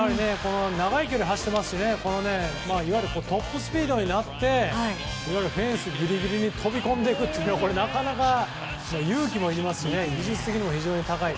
長い距離を走ってますしいわゆるトップスピードになってフェンスギリギリに飛び込んでいくというこれはなかなか勇気もいりますし技術的にも非常に高い。